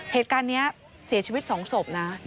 เหตุการณ์นี้เสียชีวิต๒ศพนะ